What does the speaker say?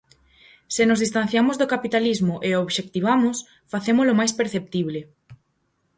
Se nos distanciamos do capitalismo e o obxectivamos, facémolo máis perceptible.